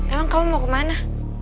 emang kamu mau kemana